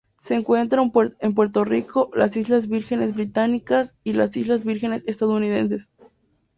Se encuentra en Puerto Rico, las Islas Vírgenes Británicas y las Islas Vírgenes Estadounidenses.